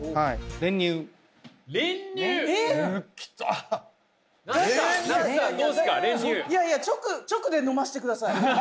練乳いやいや直で飲ませてください